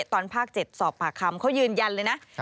ตอนภาค๗สอบปากคำเขายืนยันเลยนะ